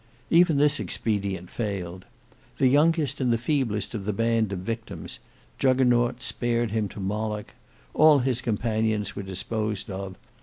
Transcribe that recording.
Even this expedient failed. The youngest and the feeblest of the band of victims, Juggernaut spared him to Moloch. All his companions were disposed of.